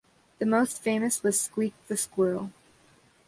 The most famous was "Squeak the Squirrel".